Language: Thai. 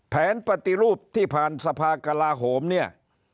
แผนปฏิรูปที่ผ่านสภากลาโหมเนี่ย